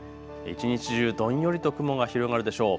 一日中、どんよりと雲が広がるでしょう。